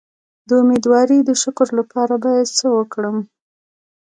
د امیدوارۍ د شکر لپاره باید څه وکړم؟